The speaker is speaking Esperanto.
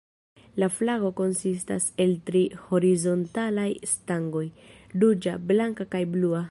La flago konsistas el tri horizontalaj stangoj: ruĝa, blanka kaj blua.